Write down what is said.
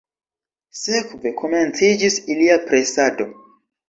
Sekve komenciĝis ilia presado.